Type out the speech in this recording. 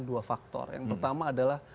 dua faktor yang pertama adalah